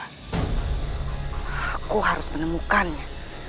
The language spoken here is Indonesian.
aku harus menemukannya